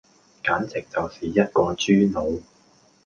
簡直就是一個豬腦